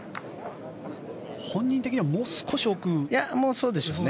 本人的にはもう少し奥でしたか。